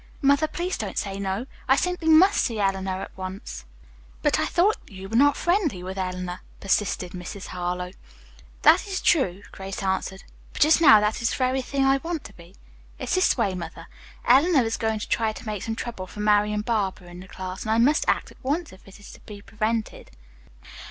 "Mother, please don't say no. I simply must see Eleanor at once." "But I thought that you were not friendly with Eleanor," persisted Mrs. Harlowe. "That is true," Grace answered, "but just now that is the very thing I want to be. It's this way, mother. Eleanor is going to try to make some trouble for Marian Barber in the class, and I must act at once if it is to be prevented."